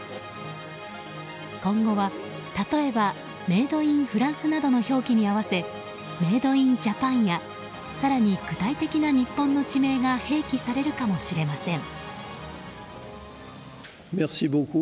今後は、例えばメイドインフランスなどの表記に合わせメイドインジャパンや更に具体的な日本の地名が併記されるかもしれません。